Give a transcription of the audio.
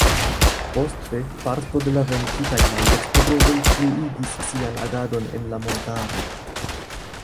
Poste parto de la venkitaj maldekstruloj pluigis sian agadon en la montaro.